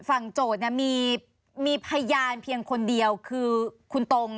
โจทย์มีพยานเพียงคนเดียวคือคุณตรง